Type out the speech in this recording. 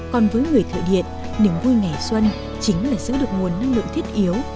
còn với người thợ điện niềm vui ngày xuân chính là giữ được nguồn năng lượng thiết yếu